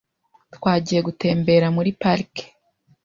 Twagiye gutembera muri parike .